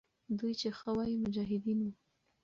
دوی چې ښه وایي، مجاهدین وو.